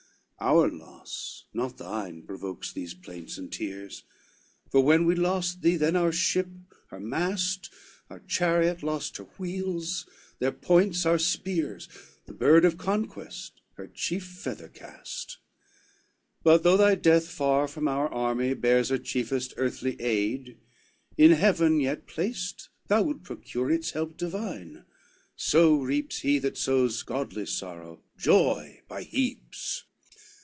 LXIX "Our loss, not thine, provokes these plaints and tears: For when we lost thee, then our ship her mast, Our chariot lost her wheels, their points our spears, The bird of conquest her chief feather cast: But though thy death far from our army hears Her chiefest earthly aid, in heaven yet placed Thou wilt procure its help Divine, so reaps He that sows godly sorrow, joy by heaps.